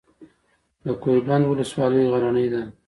د کوه بند ولسوالۍ غرنۍ ده